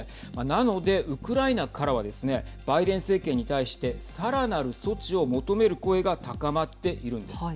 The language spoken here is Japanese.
なので、ウクライナからはですねバイデン政権に対してさらなる措置を求める声が高まっているんです。